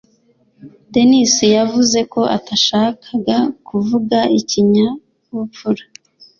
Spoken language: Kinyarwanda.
denis yavuze ko atashakaga kuvuga ikinyabupfura.